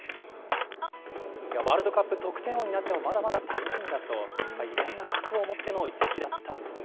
ワールドカップ、得点王になってもまだまだ足りないんだと、いろんな覚悟を持っての移籍だったんですね。